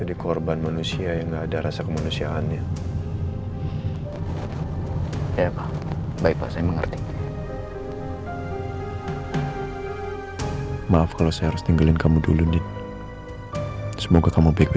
dia orang yang saya kejar waktu di pulau dila